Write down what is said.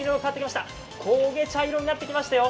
焦げ茶色になってきましたよ。